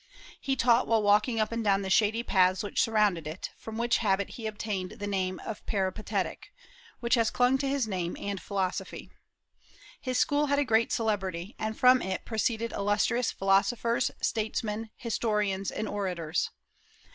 He taught while walking up and down the shady paths which surrounded it, from which habit he obtained the name of the Peripatetic, which has clung to his name and philosophy. His school had a great celebrity, and from it proceeded illustrious philosophers, statesmen, historians, and orators.